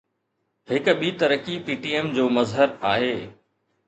هڪ ٻي ترقي PTM جو مظهر آهي.